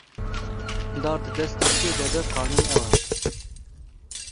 Dar di destê kê de be, qanûn ew e.